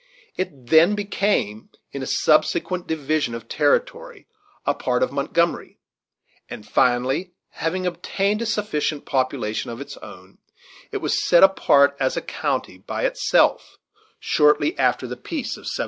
It then became, in a subsequent division of territory, a part of Montgomery; and finally, having obtained a sufficient population of its own, it was set apart as a county by itself shortly after the peace of 1783.